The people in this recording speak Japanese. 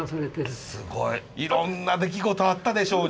いろんな出来事あったでしょうに。